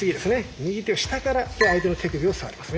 右手を下から相手の手首を触りますね。